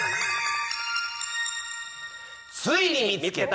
「ついに見つけた！